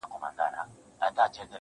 د اووم جنم پر لاره، اووه واره فلسفه يې